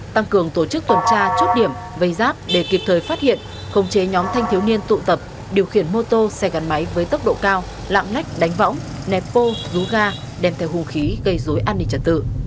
tăng cường tổ chức tuần tra chốt điểm vây giáp để kịp thời phát hiện khống chế nhóm thanh thiếu niên tụ tập điều khiển mô tô xe gắn máy với tốc độ cao lạng lách đánh võng nẹt bô rú ga đem theo hung khí gây dối an ninh trật tự